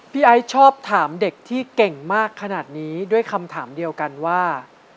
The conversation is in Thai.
ไอซ์ชอบถามเด็กที่เก่งมากขนาดนี้ด้วยคำถามเดียวกันว่า